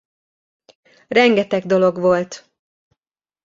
Rengeteg dolog volt.